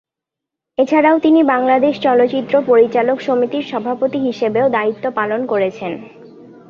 এছাড়াও তিনি বাংলাদেশ চলচ্চিত্র পরিচালক সমিতির সভাপতি হিসেবেও দায়িত্ব পালন করেছেন।